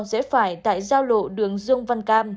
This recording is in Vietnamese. dễ phải tại giao lộ đường dương văn cam